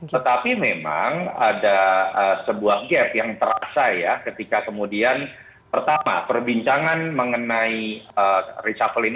tetapi memang ada sebuah gap yang terasa ya ketika kemudian pertama perbincangan mengenai reshuffle ini